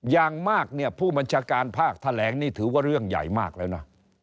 อย่างมากเนี่ยผู้บัญชาการภาคแถลงนี่ถือว่าเรื่องใหญ่มากแล้วนะ